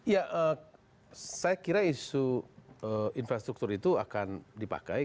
ya saya kira isu infrastruktur itu akan dipakai